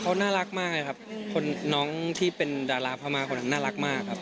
เขาน่ารักมากเลยครับคนน้องที่เป็นดาราพม่าคนนั้นน่ารักมากครับ